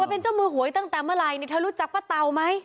เป็นเจ้ามือหวยตั้งแต่เมื่อไหร่เธอรู้จักป้าเตาไหม